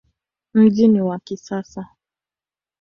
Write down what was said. Mji ni wa kisasa.